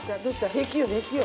平気よ平気よ。